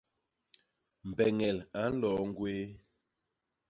Mbeñel a nloo ñgwéé.